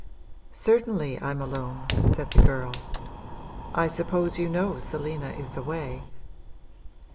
'Certainly I'm alone,' said the girl. 'I suppose you know Selina is away.'